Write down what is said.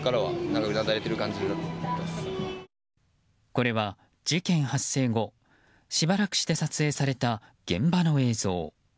これは、事件発生後しばらくして撮影された現場の映像。